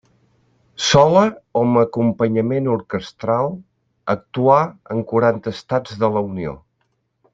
Sola o amb acompanyament orquestral, actuà en quaranta Estats de la Unió.